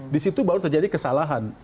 di situ baru terjadi kesalahan